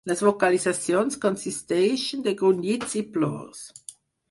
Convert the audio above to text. Les vocalitzacions consisteixen de grunyits i plors.